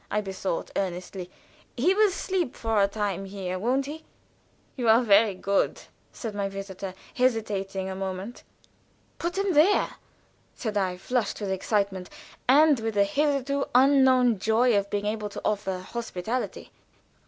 I besought, earnestly. "He will sleep for a time here, won't he?" "You are very good," said my visitor, hesitating a moment. "Put him there!" said I, flushed with excitement, and with the hitherto unknown joy of being able to offer hospitality.